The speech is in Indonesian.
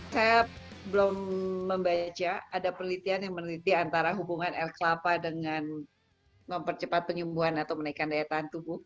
saya belum membaca ada penelitian yang meneliti antara hubungan air kelapa dengan mempercepat penyembuhan atau menaikkan daya tahan tubuh